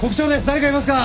誰かいますか？